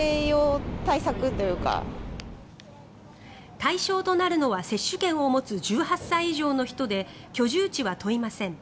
対象となるのは接種券を持つ１８歳以上の人で居住地は問いません。